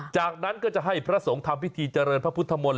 จากนั้นก็จะให้พระสงฆ์ทำพิธีเจริญพระพุทธมนตร์